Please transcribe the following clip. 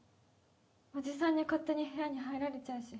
おじさんに勝手に部屋に入られちゃうし